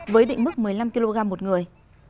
với định mức một mươi năm kg một người